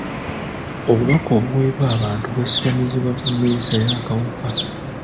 Obubaka obuweebwa abantu bwesigamizibwa ku nneeyisa y'akawuka.